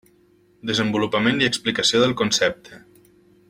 Desenvolupament i explicació del concepte.